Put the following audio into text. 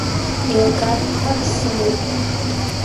Еилкаатәқәак сымоуп.